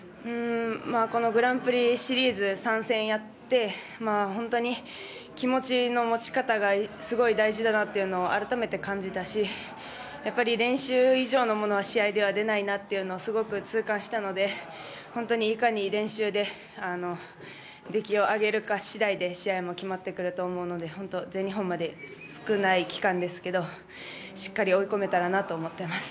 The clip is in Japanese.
このグランプリファイナル３戦やって本当に気持ちの持ち方がすごい大事だなというのを改めて感じたしやっぱり練習以上のものは試合では出ないなとすごく痛感したので本当にいかに練習で出来を上げるか次第で試合も決まってくると思うので本当、全日本まで少ない期間ですけどしっかり追い込めたらなと思っています。